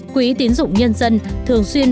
quỹ tiến dụng nhân dân thường xuyên